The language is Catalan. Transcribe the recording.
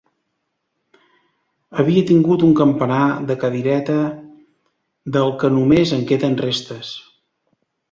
Havia tingut un campanar de cadireta del que només en queden restes.